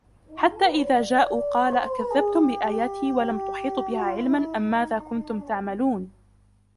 حتى إذا جاءوا قال أكذبتم بآياتي ولم تحيطوا بها علما أماذا كنتم تعملون